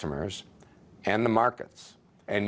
อย่างไรก็ตาม